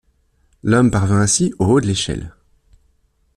L’homme parvint ainsi au haut de l’échelle.